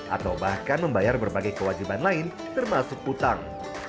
atau bahkan membayar berbagai kewajiban lain termasuk utang